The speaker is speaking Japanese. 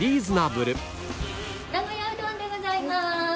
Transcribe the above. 名古屋うどんでございます！